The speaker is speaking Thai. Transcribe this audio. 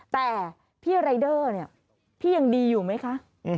แต่พี่รายเดอร์เนี่ยพี่ยังดีอยู่ไหมคะ